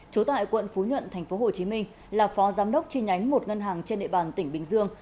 trú tại quận phú nhuận tp hcm là phó giám đốc chi nhánh một ngân hàng trên địa bàn tỉnh bình dương